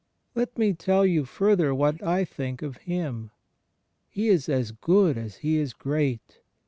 Let me tell you further what I think of Him. He is as good as He is great.